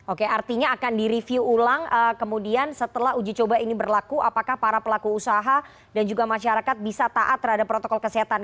oke artinya akan direview ulang kemudian setelah uji coba ini berlaku apakah para pelaku usaha dan juga masyarakat bisa taat terhadap protokol kesehatan